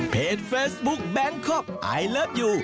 เพจเฟซบุ๊คแบงคอกไอเลิฟยู